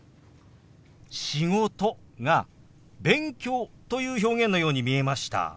「仕事」が「勉強」という表現のように見えました。